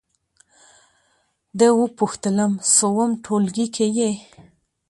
ده وپوښتلم: څووم ټولګي کې یې؟